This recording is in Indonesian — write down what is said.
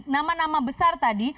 nama nama besar tadi